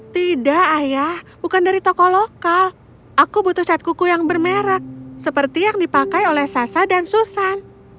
tidak ayah bukan dari toko lokal aku butuh set kuku yang bermerek seperti yang dipakai oleh sasa dan susan